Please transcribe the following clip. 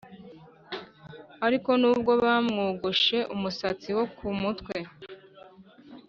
Ariko nubwo bari bamwogoshe umusatsi wo ku mutwe